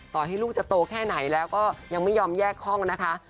ต่อให้ลูกจะโตแค่ไหนแล้วก็ยังไม่ยอมแยกห้องนะคะ